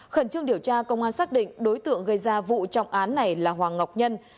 khẩn trương điều tra công an xác định đối tượng gây ra vụ trọng án này là hoàng ngọc nhân